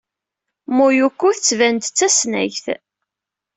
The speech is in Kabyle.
Mayuko tettban-d d tasnagt.